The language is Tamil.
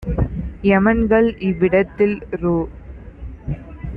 எமன்கள் இவ்விடத்தில்!ரு